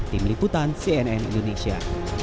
tim liputan cnn indonesia